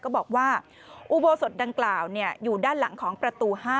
ก็บอกว่าอุโบสถดังกล่าวอยู่ด้านหลังของประตู๕